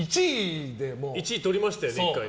１位とりましたよね、１回。